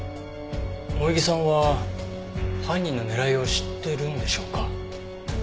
萌衣さんは犯人の狙いを知っているんでしょうか？